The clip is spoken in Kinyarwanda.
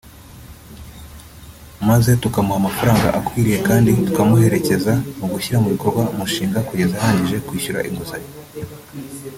maze tukamuha amafaranga akwiye kandi tukamuherekeza mu gushyira mu bikorwa umushinga kugeza arangije kwishyura inguzanyo